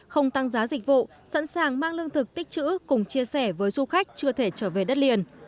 không tăng giá dịch vụ sẵn sàng mang lương thực tích chữ cùng chia sẻ với du khách chưa thể trở về đất liền